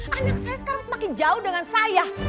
anak saya sekarang semakin jauh dengan saya